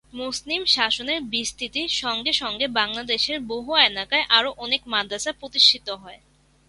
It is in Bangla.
মুসলিম শাসনের বিস্তৃতির সঙ্গে সঙ্গে বাংলাদেশের বহু এলাকায় আরও অনেক মাদ্রাসা প্রতিষ্ঠিত হয়।